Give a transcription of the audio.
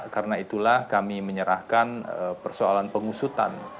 karena itulah kami menyerahkan persoalan pengusutan